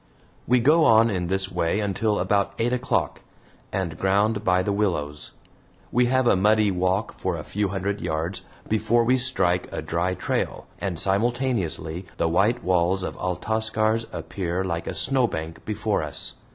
We go on in this way until about eight o'clock, and ground by the willows. We have a muddy walk for a few hundred yards before we strike a dry trail, and simultaneously the white walls of Altascar's appear like a snowbank before us.